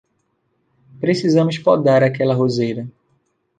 Precisamos podar aquela roseira.